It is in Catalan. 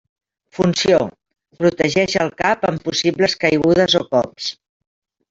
Funció: protegeix el cap en possibles caigudes o cops.